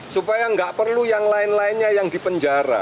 supaya nggak perlu yang lain lainnya yang dipenjara